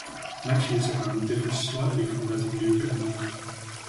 Matthew's account differs slightly from that of Luke and Mark.